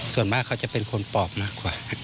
ส่วนมากเขาจะเป็นคนปอบมากกว่าครับ